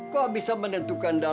kok bisa menentukan